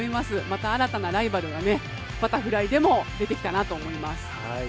また新たなライバルがバタフライでも出てきたなと思います。